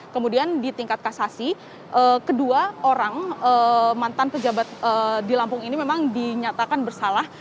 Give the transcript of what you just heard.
kemudian di tingkat kasasi kedua orang mantan pejabat di lampung ini memang dinyatakan bersalah